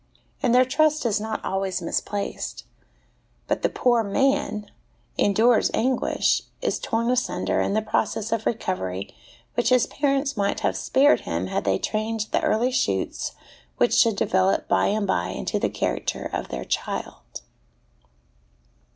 And their trust is not always misplaced ; but the poor man endures anguish, is torn asunder in the process of recovery which his parents might have spared him had they trained the early shoots which should develop by ancl by into the character of their child.